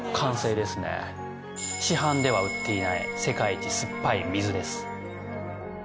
市販では売っていない世界一酸っぱい水です